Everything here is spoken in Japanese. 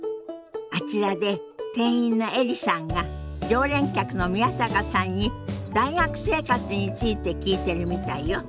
あちらで店員のエリさんが常連客の宮坂さんに大学生活について聞いてるみたいよ。